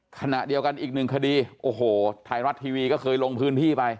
ขณะเดียวกันอีกหนึ่งคดีโอ้โหไทยรัฐทีวีก็เคยลงพื้นที่ไป